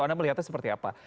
anda melihatnya seperti apa